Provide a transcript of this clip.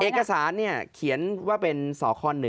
เอกสารเขียนว่าเป็นสค๑